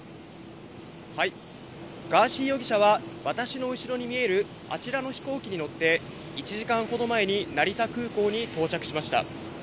ガーシー容疑者は、私の後ろに見えるあちらの飛行機に乗って、１時間ほど前に成田空港に到着しました。